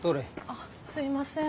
あすいません。